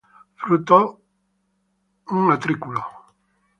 Fruto un utrículo.